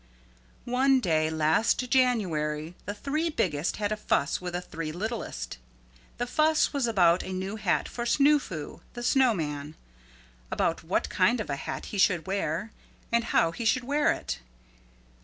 One day last January the three biggest had a fuss with the three littlest. The fuss was about a new hat for Snoo Foo, the snow man, about what kind of a hat he should wear and how he should wear it.